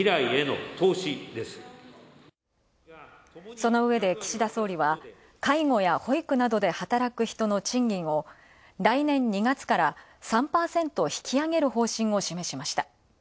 そのうえで岸田総理は、介護や保育などで働く人の賃金を来年２月から、３％引き上げる方針を示しました。